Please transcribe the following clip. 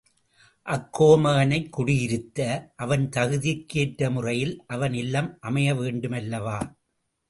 அக்கோமகனைக் குடியிருத்த அவன் தகுதிக் கேற்ற முறையில் அவன் இல்லம் அமைய வேண்டுமல்லவா?